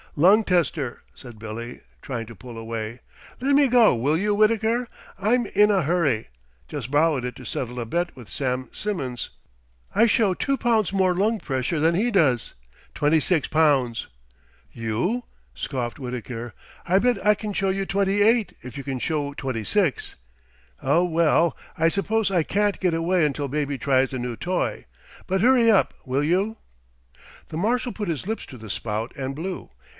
"Lung tester," said Billy, trying to pull away. "Let me go, will you, Wittaker? I'm in a hurry. Just borrowed it to settle a bet with Sam Simmons. I show two pounds more lung pressure than he does. Twenty six pounds." "You?" scoffed Wittaker. "I bet I can show twenty eight, if you can show twenty six." "Oh, well! I suppose I can't get away until baby tries the new toy. But hurry up, will you?" The Marshal put his lips to the spout and blew.